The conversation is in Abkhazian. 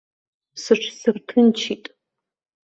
Сыҽсырҭынчит.